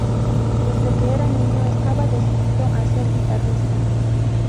Desde que era niño estaba decidido a ser guitarrista.